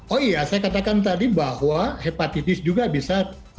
oh iya saya katakan tadi bahwa hepatitis juga bisa